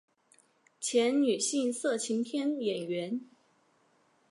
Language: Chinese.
前女性色情片演员。